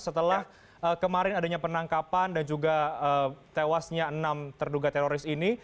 setelah kemarin adanya penangkapan dan juga tewasnya enam terduga teroris ini